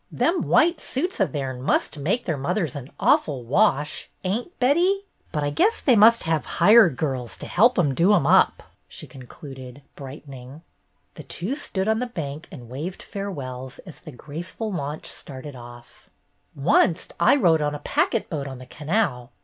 "Them white suits o' theirn must make their mothers an awful wash, ain't, Betty? But I guess they must have hired girls to help 'em do 'em up," she concluded, brightening. The two stood on the bank and waved fare wells as the graceful launch started off. " Oncet I rode on a packet boat on the canal.